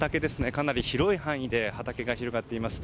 かなり広い範囲で畑が広がっています。